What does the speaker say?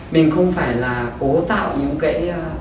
mình không phải là cố tạo những cái